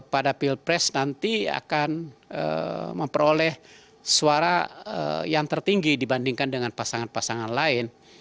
pada pilpres nanti akan memperoleh suara yang tertinggi dibandingkan dengan pasangan pasangan lain